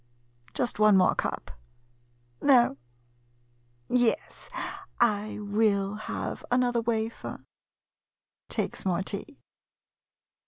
Just one more cup — no — yes, I will have another wafer. [Takes more tea.